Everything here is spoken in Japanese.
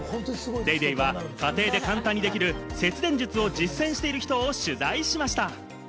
『ＤａｙＤａｙ．』は家庭で簡単にできる節電術を実践している人を取材しました。